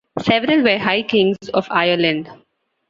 Several were High Kings of Ireland.